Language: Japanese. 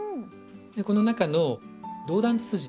この中のドウダンツツジ。